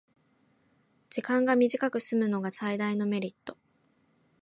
時間が短くすむのが最大のメリット